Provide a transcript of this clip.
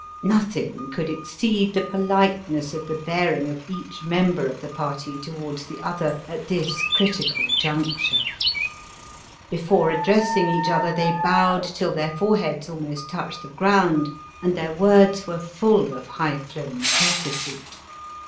Nothing could exceed the politeness of the bearing of each member of the party towards the other at this critical juncture. Before addressing each other they bowed till their foreheads almost touch the ground, and their words were fall of high flown courtesy.